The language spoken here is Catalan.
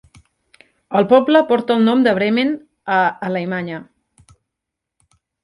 El poble porta el nom de Bremen, a Alemanya.